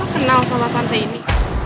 kenal sama tante ini